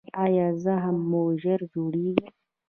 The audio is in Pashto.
ایا زخم مو ژر جوړیږي؟